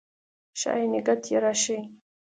ښايي نګهت یې راشي